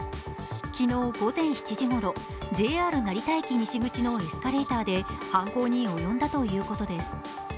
昨日午前７時ごろ、ＪＲ成田駅西口のエスカレーターで犯行に及んだということです。